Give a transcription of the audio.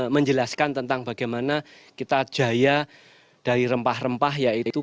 menjelaskan tentang bagaimana kita jaya dari rempah rempah yaitu